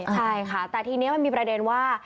ใช่ค่ะแต่ทีนี้มันมีประเด็นว่า